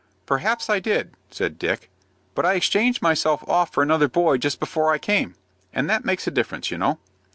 "Perhaps I did," said Dick; "but I exchanged myself off for another boy just before I came, and that makes a difference, you know.